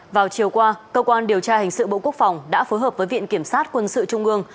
vào chiều qua cơ quan điều tra hình sự bộ quốc phòng đã phối hợp với viện kiểm sát quân sự trung ương